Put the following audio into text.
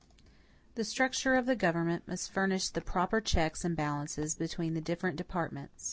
51 The Structure of the Government Must Furnish the Proper Checks and Balances Between the Different Departments.